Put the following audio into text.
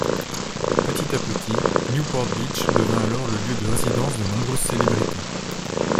Petit-à-petit, Newport Beach devint alors le lieu de résidence de nombreuses célébrités.